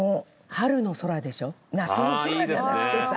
夏の空じゃなくてさ。